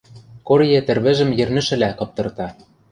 — Корье тӹрвӹжӹм йӹрнӹшӹлӓ кыптырта.